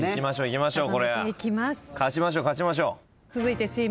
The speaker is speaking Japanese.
いきましょう。